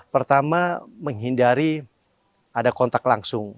pertama menghindari ada kontak langsung